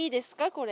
これ。